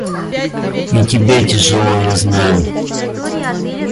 И тебе тяжело, я знаю.